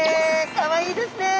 かわいいですね。